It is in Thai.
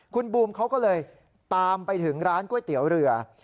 คุณบูมเขาก็เลยตามไปถึงร้านก๋วยเตี๋ยวเรือ